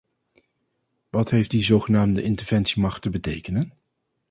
Wat heeft die zogenaamde interventiemacht te betekenen?